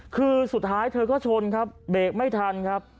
คือสุดท้ายเธอก็ชนครับเบรกไม่ทันครับ